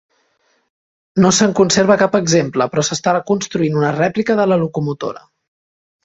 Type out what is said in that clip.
No se'n conserva cap exemple, però s'està construint una rèplica de la locomotora.